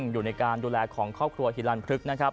อยู่ในการดูแลของข้อครัวฮิลานพลึก